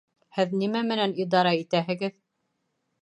Һеҙ нимә менән идара итәһегеҙ?